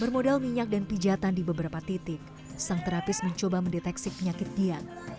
bermodal minyak dan pijatan di beberapa titik sang terapis mencoba mendeteksi penyakit dia